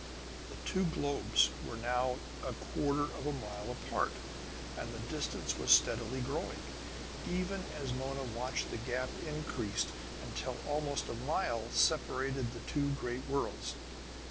The two globes were now a quarter of a mile apart, and the distance was steadily growing. Even as Mona watched the gap increased until almost a mile separated the two great worlds.